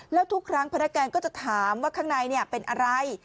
แล้วทุกครั้งพนักงานก็จะถามว่าข้างในเป็นอะไร